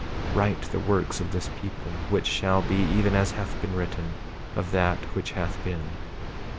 27:24 Write the works of this people, which shall be, even as hath been written, of that which hath been.